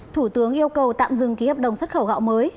thủ tướng yêu cầu tạm dừng ký hợp đồng xuất khẩu gạo mới